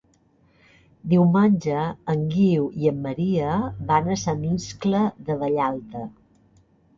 Diumenge en Guiu i en Maria van a Sant Iscle de Vallalta.